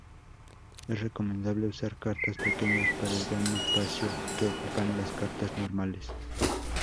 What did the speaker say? Es recomendable usar cartas pequeñas por el gran espacio que ocupan las cartas normales.